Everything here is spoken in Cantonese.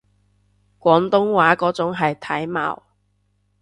廣東話嗰種係體貌